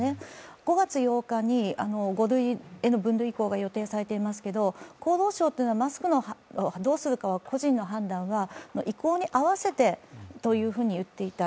５月８日に５類への分類移行が発表されていますが厚労省はマスクをどうするのか、個人の判断は意向に合わせてというふうに言っていた。